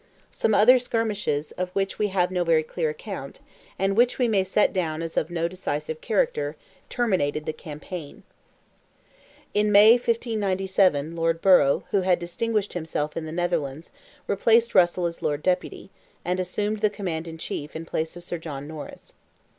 Some other skirmishes, of which we have no very clear account, and which we may set down as of no decisive character, terminated the campaign. In May, 1597, Lord Borough, who had distinguished himself in the Netherlands, replaced Russell as Lord Deputy, and assumed the command in chief, in place of Sir John Norris.